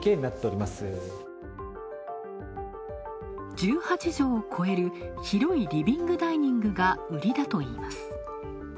１８畳を超える広いリビングダイニングが売りだといいます。